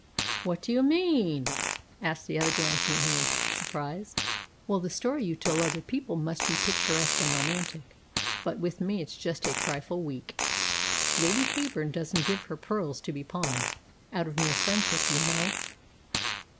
"What do you mean?" asked the other, glancing at him in surprise. "Well, the story you tell other people may be picturesque and romantic, but with me it's just a trifle weak. Lady Heyburn doesn't give her pearls to be pawned, out of mere friendship, you know."